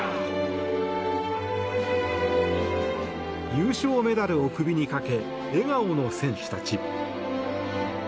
優勝メダルを首にかけ笑顔の選手たち。